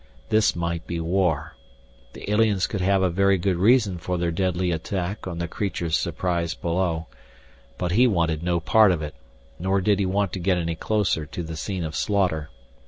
This might be war. The aliens could have a very good reason for their deadly attack on the creatures surprised below. But he wanted no part of it, nor did he want to get any closer to the scene of slaughter.